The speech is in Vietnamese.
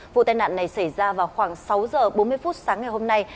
vụ tai nạn này xảy ra vào khoảng sáu h bốn mươi phút sáng ngày hôm nay